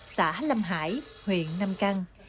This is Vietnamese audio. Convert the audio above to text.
xã lâm hải huyện nam căng